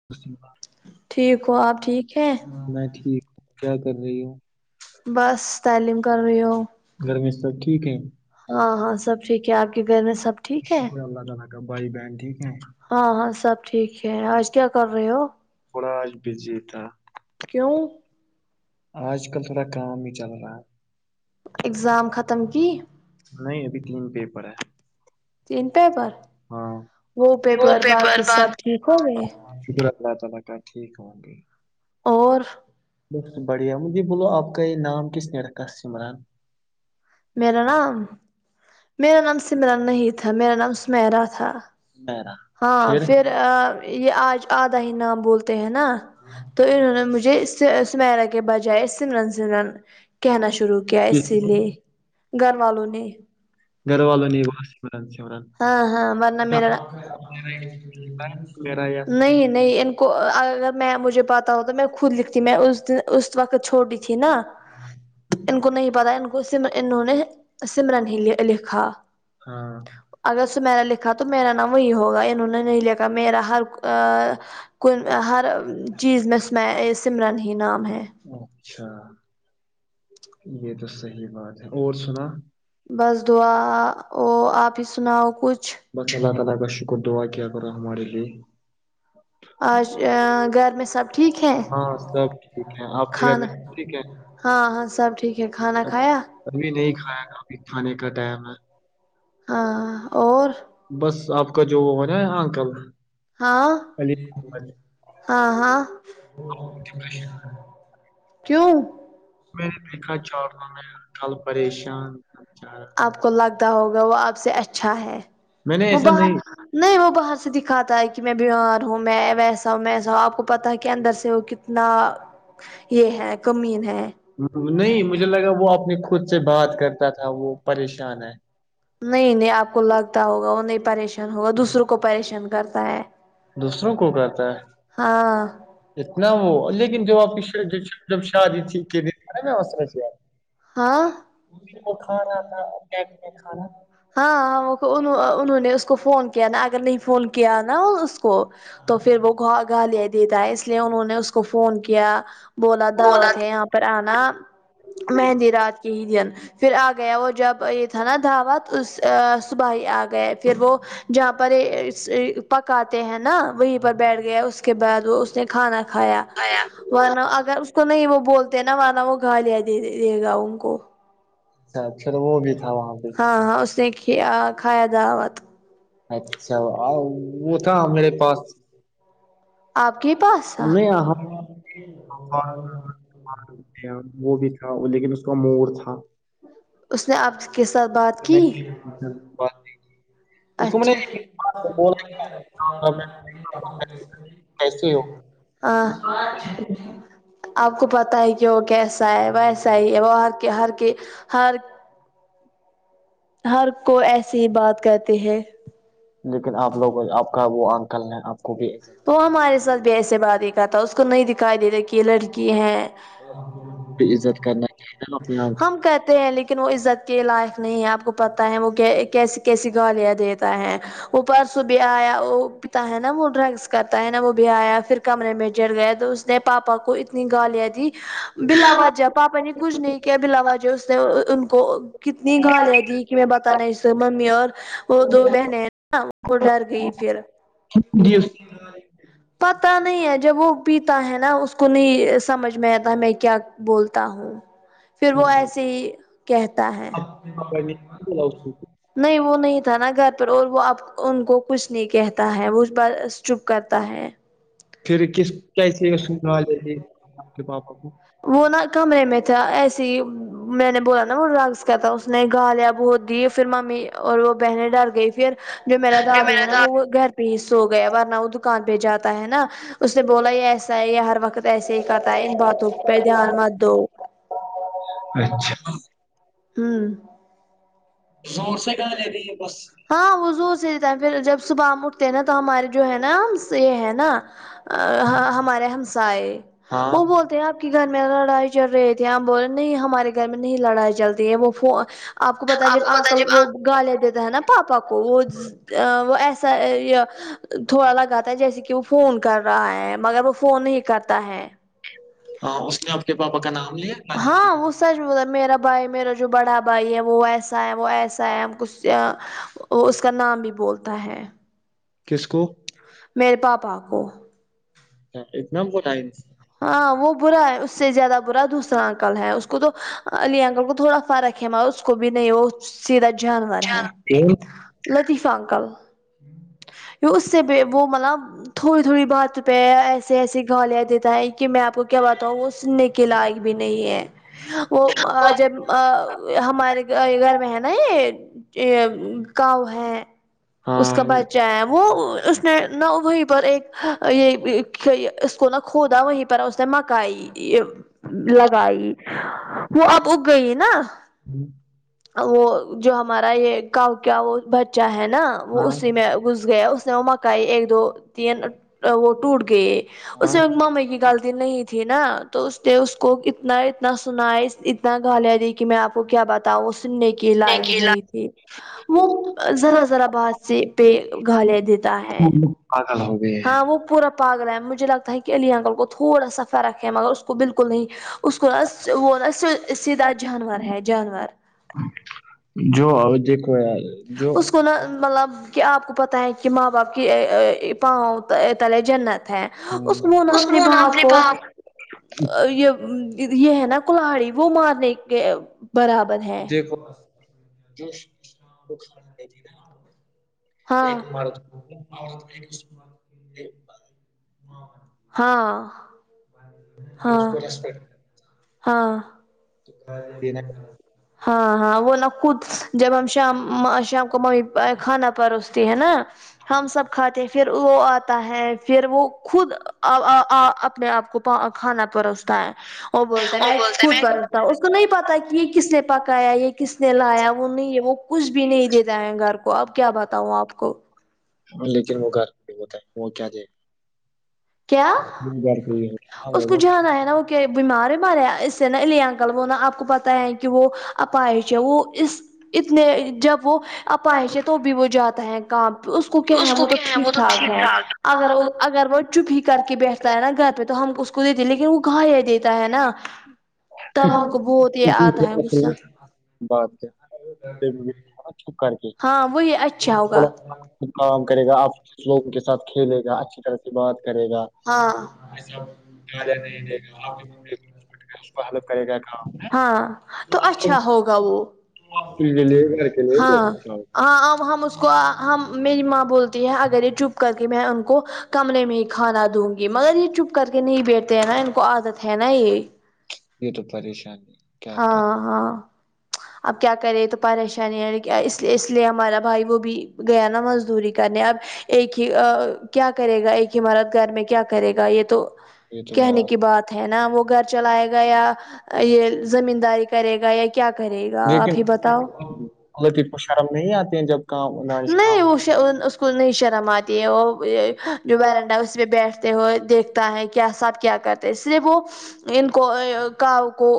سریار ٹھیک ہو آپ ٹھیک ہے میں ٹھیک ہ کیا کر رہی ہوں بس تعلیم کر رہے ہو گھر میں سب ٹھیک ہے ہاں ہاں سب ٹھیک ہے آپ کے گھر میں سب ٹھیک ہے شکر اللہ تعالی کا بھائی بہن ٹھیک ہے ہاں ہاں سب ٹھیک ہے آج کیا کر رہے ہو تھوڑا آج بزی تھا کیوں آج کل تھوڑا کام نہیں چل رہا ہے اگزام ختم کی نہیں ابھی تین پیپر ہے تین پیپر وہ پیپر باقی سب ٹھیک ہو گئے شکر ہے اللہ تعالی کا ٹھیک ہوں گی اور بڑھیا مجھے بولو آپ کا یہ نام کس نے رکھا ہے سمران میرا نام میرا نام سمران نہیں تھا میرا نام سمیرہ تھا سمیرہ ہاں پھر یہ آج آدا ہی نام بولتے ہیں نا تو انہوں نے مجھے سمیرہ کے بجائے سمران سمران کہنا شروع کیا کس اسی لیے گھر والوں نے گھر والوں نے ہی بولا سمران سمران ہاں ہاں ورنہ میرا میرا یہ نہیں نہیں اگر میں مجھے پتا ہو تو میں سب کو خود لکھتی دیتی ہے میں نا اس دن اس وقت چھوٹی تھی نہ ان کو نہیں پتا ان کو انہوں نے سمرن سمران ہی نہیں لکھا ہاں اگر سمیرا لکھا تو میرا نام وہی ہوگا انہوں نے نہیں لکھا میرا ہر کن ہر چیز میں اسمیں سمران ہی نام ہے اچھا یہ تو صحیح بات ہے اور سنا بس دعا ا آپ ہی سناؤ کچھ بس اللہ تعالی کا شکر دعا کیا کرو ہمارے لیے ہاں آج اور گھر میں سب ٹھیک ہے ہاں سب ٹھیک ہے آپ کے گھر کھانا میں ٹھیک ہے ہاں ہاں سب ٹھیک ہے کھانا کھایا ابھی نہیں کھایا ابھی کھانے کا ٹائم ہے ہاں اور بس آپ کا جو وہ ہونا ہے انکل ہاں علی احمد ہاں ہاں کیوں میں نے دیکھا چڑنا میں کل پریشان آپ کو لگتا ہوگا وہ آپ سے اچھا ہے میں نے وہ ایسا نہیں بہت نہیں وہ باہر سے دکھاتا ہے کہ میں بیمار ہوں میں ویسا ہوں میں ایسا ہوں آپ کو پتاہ ہے کہ اندر سے ہو اتنا یہ ہے کمین ہے نہیں مجھے لگا وہ اپنی خود سے بات کرتا تھا وہ پریشان ہے نہیں نہیں آپ کو لگتا ہوگا وہ نہیں پریشان ہوگا دوسروں کو پریشان کرتا ہے دوسروں کو کرتا ہاں ہے اتنا وہ لیکن جو آپ کی جب شادی تھی [unintelligible] ہاں وہ کھا رہا تھا ٹائم پے کھانا ہاں انہوں نے اس کو فون کیا نا اگر نہیں فون کیا نا اس کو تو پھر وہ گا گا دے دیتا ہے اس لیے انہوں نے اس کو فون کیا بولا دعوت ہے یہاں پر آنا مہندی رات ہی دن پھر آ گیا وہ جب یہ تھانا دعوت اس صبح ہی آ گئے پھر وہ جہاں پر پکاتے ہیں نا وہیں پر بیٹھ گیا اس کے بعد وہ اس نے کھانا کھایا تھا ورنہ اگر اس کو نہیں وہ بولتے نا ورنہ وہ گالیا دے دے گا ان کو اچھا چل وہ بھی تھا وہاں پہ ہاں ہاں اس نے کھیا دعوت اچھا آو وہ تھا میرے پاس آپ کے پاس تھا نہیں آہ آ وہ بھی تھا لیکن اس کا مور تھا اس نے آپ کے ساتھ بات کی بات اچھا ہے کیسے ہو ہاں آپ کو پتا ہے کہ وہ کیسا ہے ویسا ہی ہے وہ ہر کے ہر کے ہر ہر کو ایسے ہی بات کہتے ہیں لیکن آپ لوگ آپ کا وہ آنکل ہے آپ کو بھی وہ کرنا ہمارے چاہیے ساتھ بھی ایسے بات ہی کرتا اس کو نہیں دکھائی دے رہ کہ یہ لڑکی ہے لوگوں کی بھی عزت کرنا چاہیے نا اپنے ہم کہتے ہیں لیکن وہ عزت کے لائق نہیں ہے آپ کو پتہ ہے وہ کیسی کیسی گالیاں دیتا ہے وہ پرسوں بھی آیا وہ پتا ہے نا وہ ڈرگس کرتا ہے نا وہ بھی آیا پھر کمرے میں جڑ گیا تو پاپا کو اتنی گالیاں دی بلا وجہ پاپا ن کچھ نہیں کیا بلاواجہ اس نے ان کو کتنی گالیاں دی کہ میں بتانا اس ممی اور وہ دو بہنیں ہیں نا وہ ڈر گئی پھر جی ال [inaudible] پتہ نہیں ہے جب وہ پیتا ہے نا اس کو نہیں سمجھ میں آتا ہمیں کیا بولتا ہوں پھر وہ ایسے ہی کہتا ہے اب- اب میں نے بولا اس کو۔ نہیں وہ نہیں تھا نا گھر روز وہ ان کو کچھ نہیں کہتا ہے وہ چپ کرتا ہے پھر کس کیسی سن لیے آپ کے پاپا کو وہ نا کمرے میں تھا ایسی میں نے بولا نا وہ راز کہتا اس نے گالیا‌ں بہت دی پھر مامی اور وہ بہنے ڈر گئی پھر جو میرا کہ دادو ہے نا تو وہ گھر پہ ہی سو گیا ورنہ وہ کان پہ جاتا ہے نا اس نے بولا یہ ایسا ہے یہ ہر وقت ایسے ہی کرتا ہے ان باتوں پہ دھیان مت دو اچھا ہوں زور سے گالیاں دی بس ہاں وہ زور سے دیتا ہے پھر جب صبح ہم اٹھتے ہیں نا تو ہمارے جو ہے نا سے ہے نا ہہہاں ہمارے ہمسائے ہاں وہ بولت آپ کے گھر میں لڑائی چل رہی تھی آپ بول رہے نہیں ہمارے گھر میں نہیں لڑائی چلتی ہے وہ فونیں آپ کو پتا ہے جب انکل وہ گالیاں دیتا ہے نا پاپا کو وہ وہ ایسا تھوڑا لگاتا ہے جیسے کہ وہ فون کر رہا ہے مگر وہ فون نہیں کرتا ہے ہاں اس نے آپ کے پاپا کا نام لیا ہاں اس سچ بولا میرا بھائی میرا جو بڑا بھائی ہے وہ ایس اں وہ ایسا ہے کچھ اس کا نام بھی بولتا ہے کس کو میرے پاپا کو اتنا پنایس ہاں وہ برا ہے اس سے زیادہ برا دوسرا انکل ہے اس کو تو علی انکل کو تھوڑا فرق ہما اس کو بھی نہیں وہ سیدھا جانور ہے تین لاطیفہ انکل اس سے وہ مطلب تھوڑی تھوڑی بات پہ ایسے ایسے گالیاں دیتا ہے کہ میں آپ کو کیا بتاوں وہ سننے کے لائق بھی نہیں ہے وہ جب ہمارے گھر میں ہے نا یہ کاو ہے ہاں اس کا بچہ ہے وہ اس نے نہ وہیں پر ایک یہ کو نہ کھودا وہی پر اس نے مکا آئی ہاں لگائی وہ اب اگئی نا وہ جو ہمارا یہ گاؤں کا وہ بچہ ہے نا وہ ہاں اسی میں گھس گیا اس نے وہ مکائی ایک دو تین وہ ٹوٹ گئے اس میں ممی کی غلطی نہیں تھی نا تو اس نے اس کو اتنا اتنا اتنا سنا ہے اتنا گالیہ دی کہ میں آپ کو کیا بتاؤں سننے کی لائق نیکیلا نہیں تھی وہ ذرا ذرا بات سے پہ گالیہ دیتا ہے [unintelligible] ال ہوگے ہاں وہ پورا پاگل ہے مجھے لگتا ہے کہ علی اننکل کو تھوڑا سا فرق ہے مگر اس کو بالکل نہیں اس کو وہ سیدھا جانور ہے جانور جو ہ دیک کوئی ار [unintelligible] اس کو نا مطلب کہ آپ کو پتہ ہے کہ ماں باپ کے پاؤں تلے جنت ہے اس کونا اپنے عثمون آپ باپ نے کو بھاگ یہ یہ ہے نا کلہاڑی وہ مارنے کے برابر ہے جوش کو کھڑا د رہا [inaudible] ہاں ہوتے ہاں پھر ہاں اس کو ریسپیکٹ ہاں دینا ہاں ہاں وہ نا خود جب ہم شام شام کو ممی کھانا پروستے ہے نا ہم سب کھاتے پھر وہ آتا ہے پھر وہ خود اپنے آپ کو کھانا پروستا ہے وہ بولتا ہے میں خود پروستا ہوں اس کو نہیں پتا کہ یہ کس نے پکایا یہ کس نے لایا وہ نہیں وہ کچھ بھی نہیں دیتا ہے گھر کو اب کیا بتاؤں آپ کو لیکن وہ گھر ہوتا ہے وہ کیا جے کیا پہ ہی اس کو ہوتا جانا ہے نا وہ کہ بیمار ہی مارے اس سے نالیے انکل وہ نا آپ کو پتا ہے کہ وہ اپاہج ہے وہ اس اتنے ہے جب وہ اپاہچ ہے تو بھی وہ جاتا ہے کام اس کو کیا ہے وہ تو ٹھیک ٹھاک ہے اگر وہ اگر وہ چپ ہی کر کے بیٹھتا ہے نا گھر پہ تو ہم اس کو دتے لیکن وہ گالیا دیتا ہے نا تب ہم کو بہت یہ آتا ہے غصہ بات کیا ہے، چپ کر کے ہاں وہ یہ اچھا ہوگا کام کرے گا آپ لوگوں کے ساتھ کھیلے گا اچھی طرح سے بات کرے گا ہاں اس کو ہیلپ کرے گا کام ہاں تو اچھا ہوگا وہ کے لیے گھر کے لیے ہاں بہت اچھا ہو ہاں ہم اسکو ہم میری ماں بولتی ہے اگر یہ چپ کر کے میں ان کو کمرے میں ہی کھانا دوں گی مگر یہ چپ کر کے نہیں بیٹھتے ہیں نا ان کو عادت ہے نا یہ یہ تو پریشانی کیا ہاں کرے ہاں اب کیا کرے تو پریشانی ہے اسے اس لیے ہمارا بھائی وہ بھی گیا نا مزدوری کرنے اب ایک ہی کیا کرے گا ایک ہی مرد گھر میں کیا کرے گا یہ تو یہ تو کہنے کی بات ہے نا وہ گھر چلائے گا یا یہ زمین داری کرے گا یا کیا کرے گا لیکن اپ ہی بتاؤ غلطی کو شرم نہیں آتی ہیں جب کام نہیں وہ اس کو نہیں شرم آتی ہے وہ جو ویرنڈا اس پہ بیٹھتے ہوئے دیکھتا ہے کیا سب کیا کرتے اس لیے وہ ان کو کاؤ کو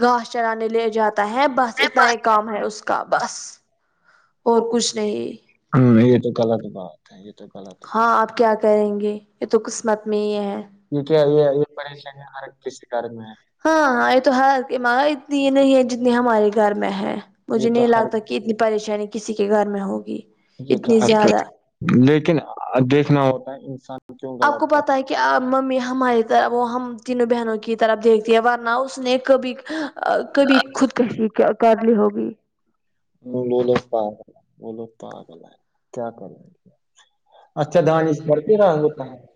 گاس چرانے لے جاتا ہے بس اتنا ہی کام ہے اس کا بس اور کچھ نہیں ہوں یہ تو غلط بات ہے تو غلط ہاں بات آپ کیا کریں گے یہ تو قسمت میں ہی ہے یہ کیا یہ یہ پریشانی ہر کسی گھر میں ہاں ہے ہاں تو ہ ماں اتنی یہ نہیں ہے جتنی ہمارے گھر میں ہے یہ مجھے تو نہیں ہر لگتا کہ اتنی پریشانی کسی کے گھر میں ہوگی یہ تو اتنی ہر زیادہ لیکن دیکھنا ہوتا ہے انسان کیوں آپ کو غلط کر بتائے گا کیا ممی ہماری طرف وہ ہم تینوں بہنوں کی طرف دیکھتی ہے ورنہ اس نے کبھی کبھی خود کشی کر لی ہوگی وہ لوگ پاگل وہ لوگ پاگل ہے کیا کریں گے اچھا دانش کرتے رہا ہوتا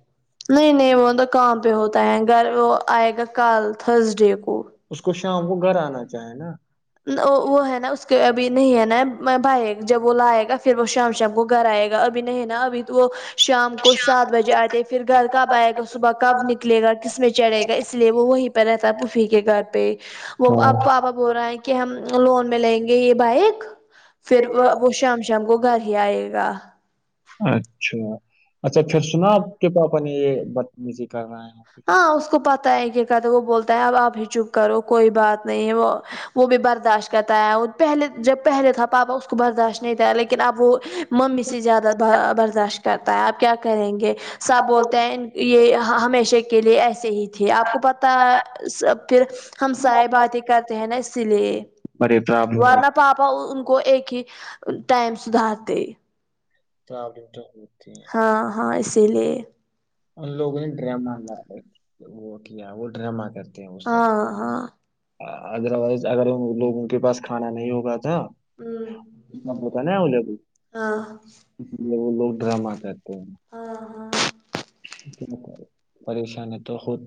نہیں نہیں وہ کام پہ ہوتا ہے گھر وہ آئے گا کل تھرز ڈے کو اس کو شام کو گھر آنا چاہے نا وہ وہ ہے نا اس کہ ابھی نہیں ہے نا بھائی جب وہ لائےائے گا پھر وہ شام شام کو گھر آئے گا ابھی نہیں ہے نا ابھی تو وہ شام کو سات بجے آتے پھر گھر کب آئے گا صبح کب نکلے گا کس میں چڑے گا اس لیے وہی رہتا ہے ففی کے گھر پہ وہ اب پاپا بول رہا ہے کہ ہم لون میں لیں گے یہ بائک پھر وہ شام شام کو گھر ہی آئے گا اچھا اچھا پھر سنا آپ کے پاپا نہ یہ بتمیزی کر رہے ہو ہاں اس کو پتا ہے کیا کہتے وہ بولتا ہے اب آپ ہی چپ کرو کوئی بات نہیں ہے وہ وہ بھی برداشت کرتا ہے پہلے جب پہلے تھا پاپا اس کو برداشت نہیں تھا لیکن اب وہ ممی سے زیادہ برداشت کرتا ہے آپ کیا کریں گے سب بولتے ہیں یہ ہمیشہ کے لیے ایسے ہی تھے آپ کو پتا سب پھر ہم سائے باتیں کرتے ہیں نا اسی لیے بڑی پرابلم ورنہ پاپا ان کو ایک ہی ٹائم سدارتے تو [unintelligible] ہاں ہاں اسی لیے ان لوگوں نے ڈرامہ وہ کیا وہ ڈراما کر ہاں ہاں ادروائز اگر لوگوں کے پاس کھانا نہیں ہوگا تھا ہوں بتا نہیں اولیبل ہاں وہ لوگ ڈرامہ کرتے ہیں ہاں ہاں پریشان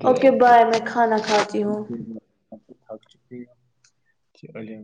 اوکے بائے میں کھانا کھاتی ہوں ق علیم [unintelligible]